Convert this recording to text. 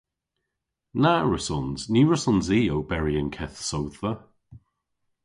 Na wrussons. Ny wrussons i oberi y'n keth sodhva.